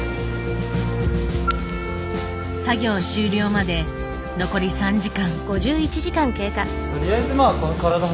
作業終了まで残り３時間。